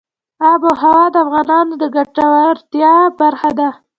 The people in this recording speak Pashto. آب وهوا د افغانانو د ګټورتیا برخه ده.